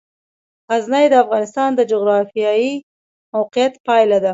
غزني د افغانستان د جغرافیایي موقیعت پایله ده.